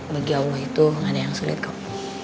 bagi allah itu gak ada yang sulit kok